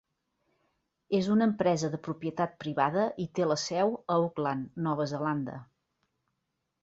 És una empresa de propietat privada i té la seu a Auckland, Nova Zelanda.